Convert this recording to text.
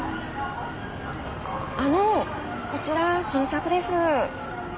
あのこちら新作です。